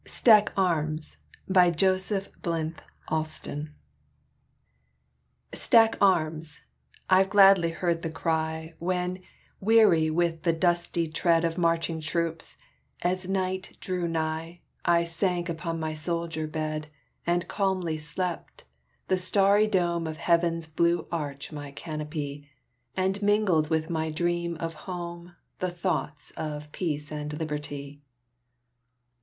"STACK ARMS!" "Stack Arms!" I've gladly heard the cry When, weary with the dusty tread Of marching troops, as night drew nigh, I sank upon my soldier bed, And calmly slept; the starry dome Of heaven's blue arch my canopy, And mingled with my dreams of home The thoughts of Peace and Liberty.